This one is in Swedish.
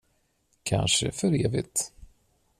Kanske för evigt.